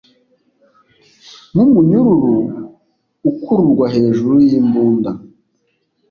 nkumunyururu ukururwa hejuru yimbunda.